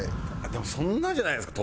でもそんなじゃないですか？